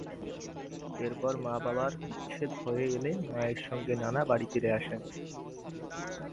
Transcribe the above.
এরপর মা-বাবার বিবাহ বিচ্ছেদ হয়ে গেলে মায়ের সঙ্গে নানার বাড়ি ফিরে আসেন।